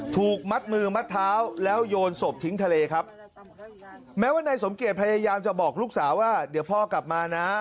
ถูกมัดมือมัดเท้าแล้วโยนศพทิ้งทะเลครับแม้ว่านายสมเกียจพยายามจะบอกลูกสาวว่าเดี๋ยวพ่อกลับมานะ